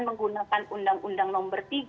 menggunakan undang undang nomor tiga